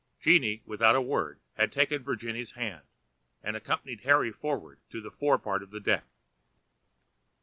Jeanne, without another word, had taken Virginie's hands and accompanied Harry forward to the fore part of the deck.